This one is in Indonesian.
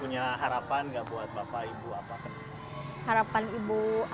punya harapan nggak buat bapak ibu apa